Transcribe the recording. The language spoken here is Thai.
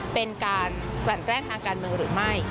เป็นการกลั่นแกล้งทางการเมืองหรือไม่